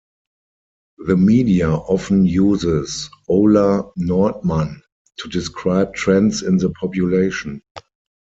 The media often uses "Ola Nordmann" to describe trends in the population.